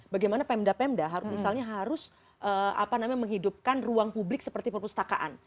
bagaimana pemda pemda misalnya harus menghidupkan ruang publik seperti perpustakaan